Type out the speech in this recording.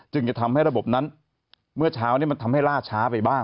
จะทำให้ระบบนั้นเมื่อเช้านี้มันทำให้ล่าช้าไปบ้าง